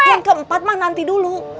yang keempat mah nanti dulu